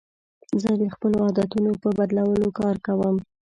زه د خپلو عادتونو په بدلولو کار کوم.